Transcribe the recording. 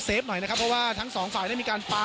หน่อยนะครับเพราะว่าทั้งสองฝ่ายได้มีการป๊า